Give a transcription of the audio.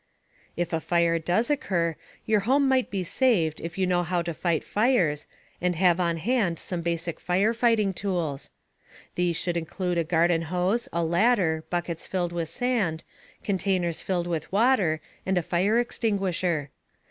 If a fire does occur, your home might be saved if you know how to fight fires, and have on hand some basic firefighting tools. These should include a garden hose, a ladder, buckets filled with sand, containers filled with water, and a fire extinguisher.